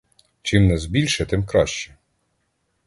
Чим нас більше, тим краще.